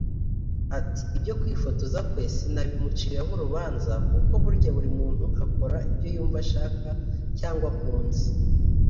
Ati “ Ibyo kwifotoza kwe sinabimuciraho urubanza kuko burya buri muntu akora ibyo yumva ashaka cyangwa akunze